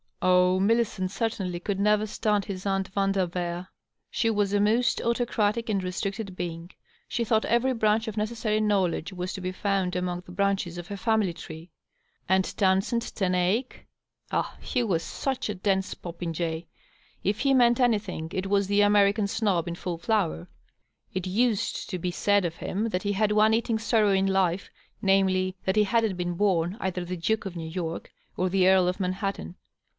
Oh, Millicent certainly could never stand his aunt v anderveer ; she was a most autocratic and restricted being; she thought every branch of necessary knowledge was to be found among the branches of her fiimily tree. .. And Townsend Ten Eyck ? Ah, he was such a dense popinjay ; if he meant anything, it was the American snob in full flower ; it used to be said of him that he had one eating sorrow in life, namely, that he hadn't been born either the Duke of New York or the Earl of Manhattan.